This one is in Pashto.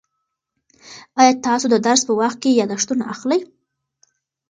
آیا تاسو د درس په وخت کې یادښتونه اخلئ؟